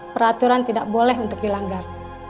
peraturan tidak boleh untuk dilanggar